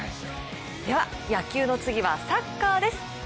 野球の次はサッカーです。